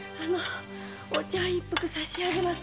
お茶を一服差しあげます